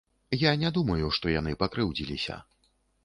Я не думаю, што яны пакрыўдзіліся.